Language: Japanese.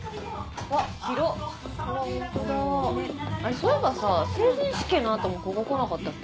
そういえばさ成人式の後もここ来なかったっけ？